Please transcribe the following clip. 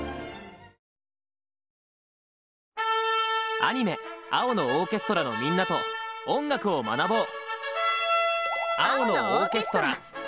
アニメ「青のオーケストラ」のみんなと音楽を学ぼう！